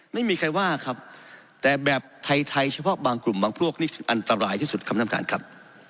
ไม่มีใครว่าครับแต่แบบไทยเฉพาะบางกลุ่มบางพวกนี่อันตรายที่สุดครับท่านประธานครับ